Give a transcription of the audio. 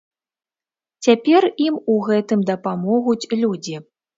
Цяпер ім у гэтым дапамогуць людзі.